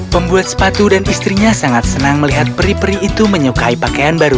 pembuat sepatu dan istrinya sangat senang melihat peri peri itu menyukai pakaian baru